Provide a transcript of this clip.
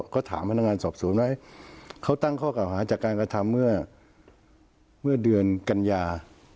ก็ถามพนักงานสอบสวนว่าเขาตั้งข้อเก่าหาจากการกระทำเมื่อเดือนกัญญา